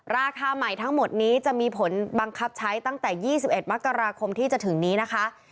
ราคาใหม่ทั้งหมดนี้จะมีผลบังคับใช้ตั้งแต่๒๑มกราคมที่จะถึงนี้นะคะ